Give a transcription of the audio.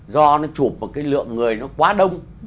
do nó chụp vào cái lượng người nó quá đông